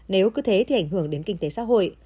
nếu cứ thế thì ảnh hưởng đến kinh tế xã hội